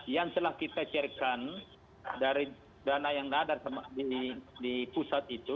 yang telah kita cairkan dari dana yang ada di pusat itu